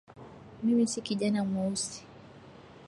Mimi si kijana mweusi